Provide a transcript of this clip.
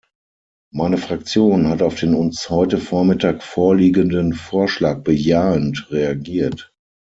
Meine Fraktion hat auf den uns heute Vormittag vorliegenden Vorschlag bejahend reagiert.